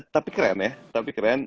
tapi keren ya